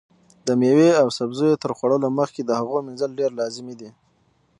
د مېوې او سبزیو تر خوړلو مخکې د هغو مینځل ډېر لازمي دي.